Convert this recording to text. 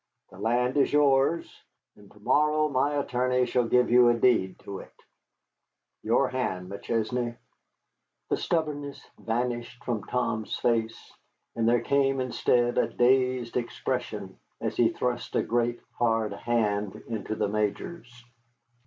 The land is yours, and to morrow my attorney shall give you a deed of it. Your hand, McChesney." The stubbornness vanished from Tom's face, and there came instead a dazed expression as he thrust a great, hard hand into the Major's.